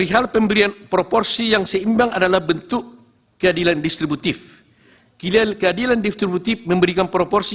habis itu langsung nanti kepada